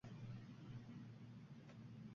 Askarlar hamon intizorlik bilan kutishardi